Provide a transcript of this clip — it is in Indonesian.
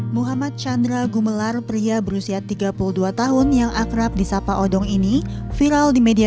muhammad chandra gumelar pria berusia tiga puluh dua tahun yang akrab di sapa odong ini viral di media